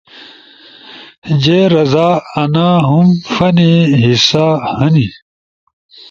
جے رزا، انا ہُم فنی حصہ ہنی۔